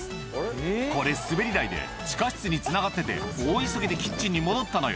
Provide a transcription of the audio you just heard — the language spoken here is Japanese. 「これ滑り台で地下室につながってて大急ぎでキッチンに戻ったのよ」